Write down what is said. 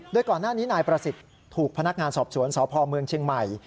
โดยก่อนหน้านี้นายประสิทธิ์ถูกพนักงานสอบสวนสพเมืองเชียงใหม่